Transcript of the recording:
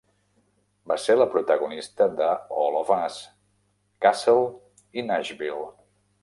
Va ser la protagonista de "All of Us", "Castle" i "Nashville".